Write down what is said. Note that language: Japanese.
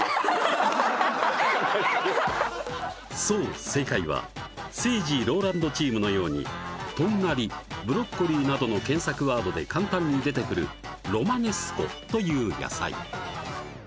そう正解はせいじＲＯＬＡＮＤチームのようにトンガリブロッコリーなどの検索ワードで簡単に出てくるロマネスコという野菜